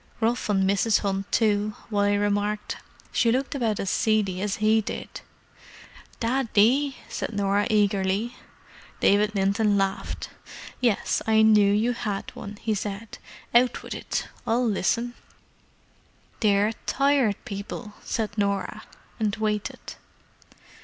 "Rough on Mrs. Hunt, too," Wally remarked. "She looked about as seedy as he did." "Daddy——!" said Norah eagerly. David Linton laughed. "Yes, I knew you had one," he said, "Out with it—I'll listen." "They're Tired People," said Norah: and waited.